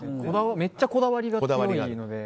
めっちゃこだわりが強いので。